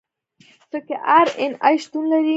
پکې آر این اې شتون لري.